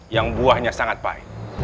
yang buahnya sangat pahit